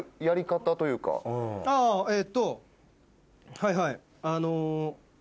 あえっとはいはい。